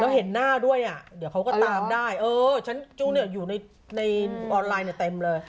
แล้วเห็นหน้าด้วยอ่ะเดี๋ยวเขาก็ตามได้เออฉันจู้เนี่ยอยู่ในออนไลน์เนี่ยเต็มเลย